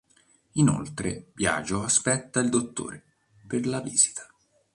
Inoltre Biagio aspetta il dottore per la visita.